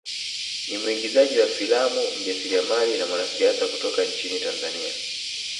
Ni mwigizaji wa filamu mjasiriamali na mwanasiasa kutoka nchini Tanzania